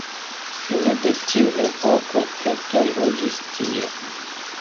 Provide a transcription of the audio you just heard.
Fine de tiu epoko keltoj loĝis tie.